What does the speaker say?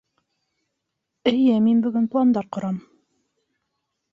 Эйе, мин бөгөн пландар ҡорам!